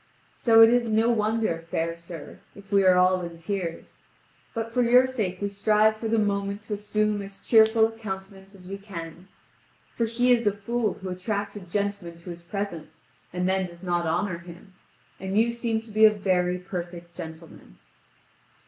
So it is no wonder, fair sir, if we are all in tears. But for your sake we strive for the moment to assume as cheerful a countenance as we can. For he is a fool who attracts a gentleman to his presence and then does not honour him; and you seem to be a very perfect gentleman.